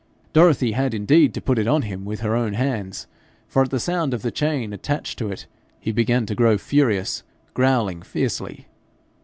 Dorothy had indeed to put it on him with her own hands, for at the sound of the chain attached to it he began to grow furious, growling fiercely.